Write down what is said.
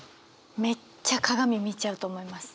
めっちゃ鏡見ちゃうと思います。